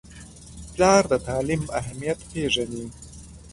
پلار د تعلیم اهمیت پیژني.